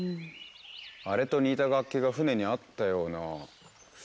あれと似た楽器が船にあったような。